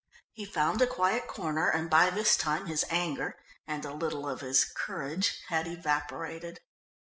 He found a quiet corner, and by this time his anger, and a little of his courage, had evaporated.